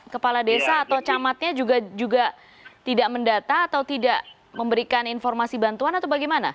kepala desa atau camatnya juga tidak mendata atau tidak memberikan informasi bantuan atau bagaimana